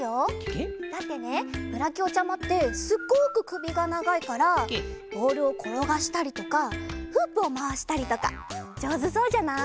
ケケ？だってねブラキオちゃまってすっごくくびがながいからボールをころがしたりとかフープをまわしたりとかじょうずそうじゃない？